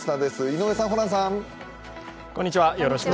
井上さん、ホランさん。